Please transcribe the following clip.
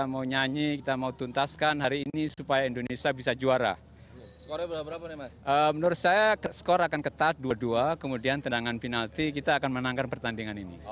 menurut saya skor akan ketat dua dua kemudian tendangan penalti kita akan menangkan pertandingan ini